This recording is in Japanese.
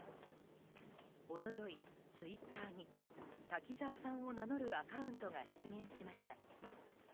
一昨日、ツイッターに滝沢さんを名乗るアカウントが出現しました。